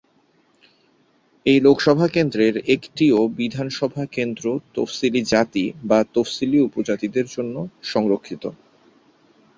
এই লোকসভা কেন্দ্রের একটিও বিধানসভা কেন্দ্র তফসিলী জাতি বা তফসিলী উপজাতিদের জন্য সংরক্ষিত।